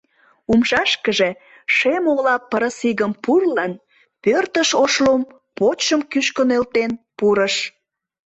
Умшашкыже шем-ола пырысигым пурлын, пӧртыш Ошлум почшым кӱшкӧ нӧлтен пурыш